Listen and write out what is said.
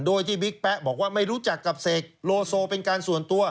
โดยที่บิ๊กแป๊ะบอกว่าไม่รู้จักกับเสกโลโซเป็นการส่วนตัว